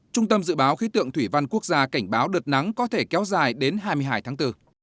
trung tâm dự báo khí tượng thủy văn quốc gia cảnh báo đợt nắng có thể kéo dài đến hai mươi hai tháng bốn